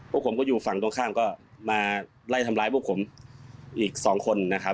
พวกผมก็อยู่ฝั่งตรงข้ามก็มาไล่ทำร้ายพวกผมอีกสองคนนะครับ